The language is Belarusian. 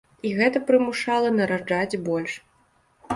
І гэта прымушала нараджаць больш.